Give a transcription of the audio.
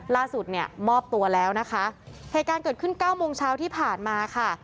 ล่าสุดเนี่ยมอบตัวแล้วนะคะเหตุการณ์เกิดขึ้นเก้าโมงเช้าที่ผ่านมาค่ะ